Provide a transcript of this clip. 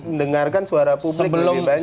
mendengarkan suara publik lebih baik